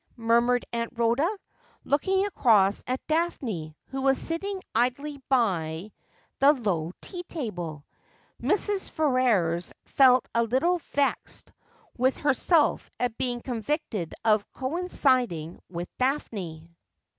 murmured Aunt lihoda, looking across at Daphne, who was sitting idly by the low tea table. Mrs. Ferrers felt a little vexed with herself at bein'.^ ennvicled of coinciding with Daphno.